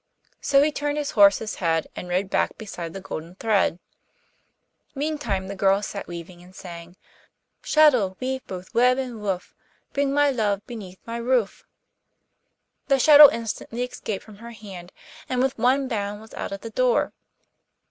So he turned his horses head and rode back beside the golden thread. Meantime the girl sat weaving, and sang: 'Shuttle, weave both web and woof, Bring my love beneath my roof.' The shuttle instantly escaped from her hand, and with one bound was out at the door.